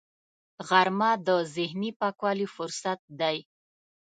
غرمه د ذهني پاکوالي فرصت دی